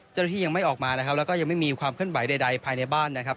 เจ้าหน้าที่ยังไม่ออกมานะครับแล้วก็ยังไม่มีความเคลื่อนไหวใดภายในบ้านนะครับ